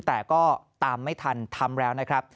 แต่ก็ตามไม่ทันทำแล้วนะครับ